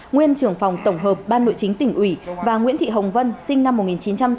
nguyên trưởng phòng tổng hợp ban nội chính tỉnh ủy và nguyễn thị hồng vân sinh năm một nghìn chín trăm tám mươi